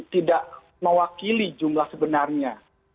tidak mewakili jumlah sebenarnya